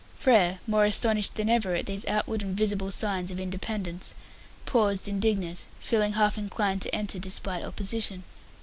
Frere, more astonished than ever at these outward and visible signs of independence, paused, indignant, feeling half inclined to enter despite opposition.